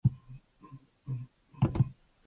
The mission has fifteen other staff members.